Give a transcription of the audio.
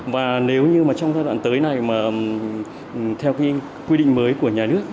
và nếu như mà trong giai đoạn tới này mà theo cái quy định mới của nhà nước